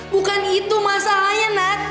bukan itu masalahnya nat